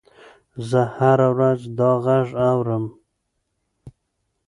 زه هره ورځ دا غږ اورم.